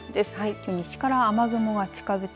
きょう西から雨雲が近づき